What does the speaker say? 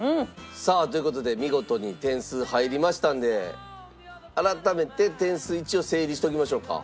さあという事で見事に点数入りましたので改めて点数一応整理しておきましょうか。